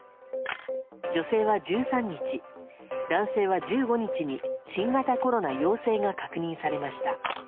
女性は１３日、男性は１５日に新型コロナ陽性が確認されました。